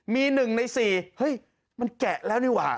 มี๑ใน๔เฮ้ยมันแกะแล้วนี่ว่ะ